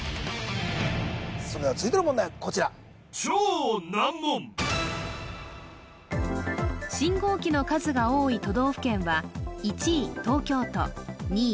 それでは続いての問題はこちら信号機の数が多い都道府県は１位東京都２位